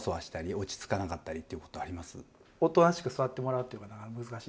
おとなしく座ってもらうってことが難しいですよね。